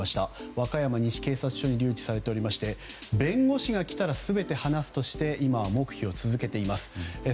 和歌山西警察署に留置されていまして弁護士が来たら全て話すとして黙秘を続けています。